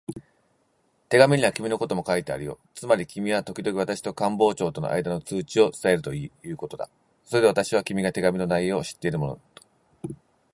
手紙には君のことも書いてあるよ。つまり君はときどき私と官房長とのあいだの通知を伝えるということだ。それで私は、君が手紙の内容を知っているものと